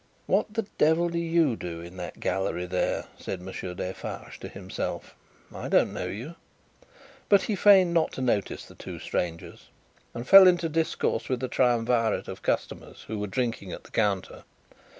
"What the devil do you do in that galley there?" said Monsieur Defarge to himself; "I don't know you." But, he feigned not to notice the two strangers, and fell into discourse with the triumvirate of customers who were drinking at the counter.